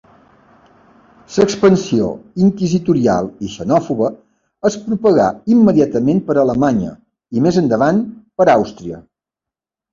L'expansió inquisitorial i xenòfoba es propagà immediatament per Alemanya i més endavant per Àustria.